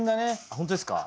本当ですか？